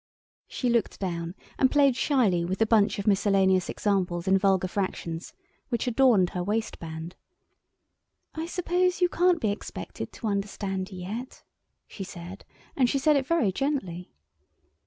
She looked down and played shyly with the bunch of miscellaneous examples in vulgar fractions which adorned her waistband. "I suppose you can't be expected to understand, yet," she said, and she said it very gently.